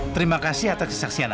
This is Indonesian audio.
terima kasih atas kesaksianmu